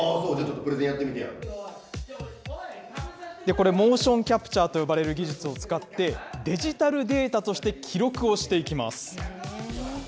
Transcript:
これ、モーションキャプチャーと呼ばれる技術を使って、デジタルデータとして記録をしていきます。